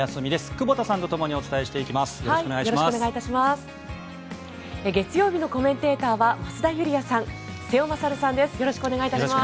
久保田さんとともにお伝えしていきます。